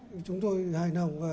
và chúng tôi ghi nhận là